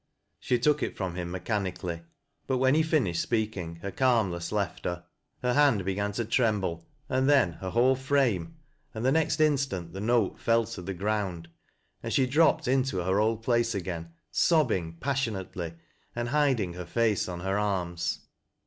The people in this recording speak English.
She took it from him mect.anically ; but when he finished speaking, her calmness left her. Her hand be gan to tremble, and then her whole frame, and the next instant the note fell to the ground, and she dropped into her old place again, sobbing passionately and hiding her face on her arms.